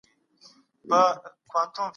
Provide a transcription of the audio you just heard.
ټولنيز فشار فرد نه سي راګرځولای.